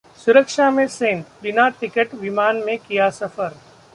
सुरक्षा में सेंध, बिना टिकट विमान में किया सफर